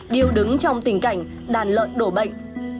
đều đứng trong tình cảnh đàn lợn đổ bệnh